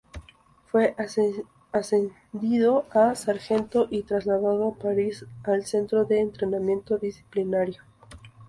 Fue ascendido a sargento y trasladado a París al Centro de Entrenamiento Disciplinario.